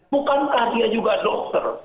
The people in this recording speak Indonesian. bukankah dia juga dokter